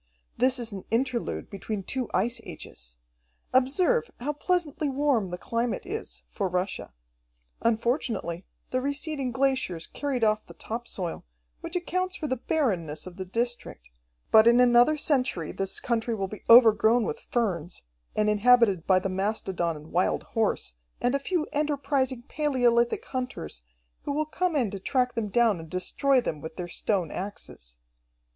"This is an interlude between two ice ages. Observe how pleasantly warm the climate is, for Russia. Unfortunately the receding glaciers carried off the top soil, which accounts for the barrenness of the district, but in another century this country will be overgrown with ferns, and inhabited by the mastodon and wild horse, and a few enterprising palaeolithic hunters, who will come in to track them down and destroy them with their stone axes."